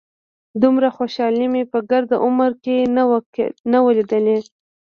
دومره خوشالي مې په ګرد عمر کښې نه وه ليدلې.